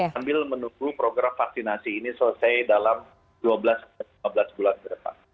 sambil menunggu program vaksinasi ini selesai dalam dua belas lima belas bulan ke depan